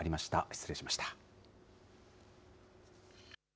失礼しました。